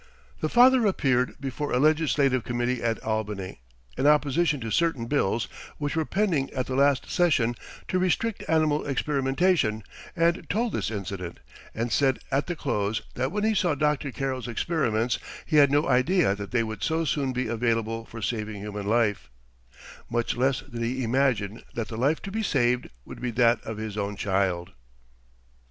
"The father appeared before a legislative committee at Albany, in opposition to certain bills which were pending at the last session to restrict animal experimentation, and told this incident, and said at the close that when he saw Dr. Carrel's experiments he had no idea that they would so soon be available for saving human life; much less did he imagine that the life to be saved would be that of his own child."